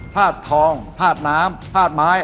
ทาสทองทาสน้ำทาสไม้